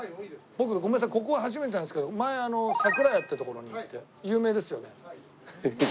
僕ここは初めてなんですけど前桜家っていう所に行って有名ですよね。